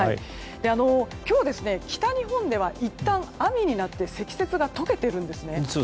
今日、北日本ではいったん雨になって積雪が解けているんですね。